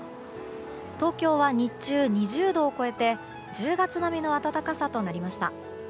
東京は日中２０度を超えて１０月並みの暖かさとなりました。